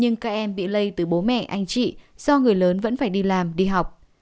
nhưng các em bị lây từ bố mẹ anh chị do người lớn vẫn phải đi làm đi học